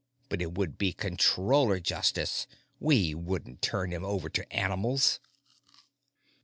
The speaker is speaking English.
But it would be Controller justice; we wouldn't turn him over to animals!